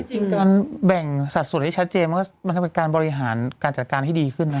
จริงการแบ่งสัดส่วนให้ชัดเจนมันก็เป็นการบริหารการจัดการให้ดีขึ้นนะ